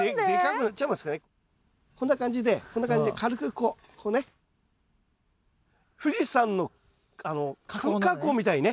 こんな感じでこんな感じで軽くこうこうね富士山の噴火口みたいにねするわけです。